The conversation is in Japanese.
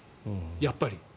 やっぱり。